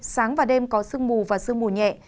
sáng và đêm có sương mù và sương mù nhẹ